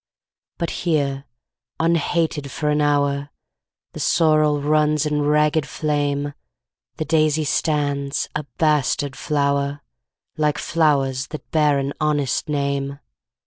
But here, unhated for an hour, The sorrel runs in ragged flame, The daisy stands, a bastard flower, Like flowers that bear an honest name.